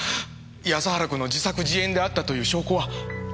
安原君の自作自演であったという証拠は？